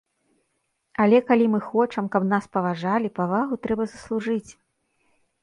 Але калі мы хочам, каб нас паважалі, павагу трэба заслужыць.